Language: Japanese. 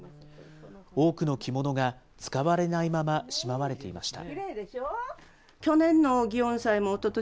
多くの着物が使われないまましまわれていました。